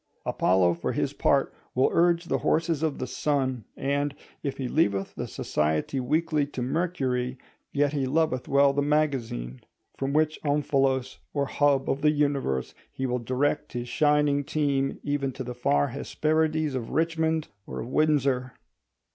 Apollo for his part will urge the horses of the Sun: and, if he leaveth the society weekly to Mercury, yet he loveth well the Magazine. From which omphalos or hub of the universe he will direct his shining team even to the far Hesperides of Richmond or of Windsor.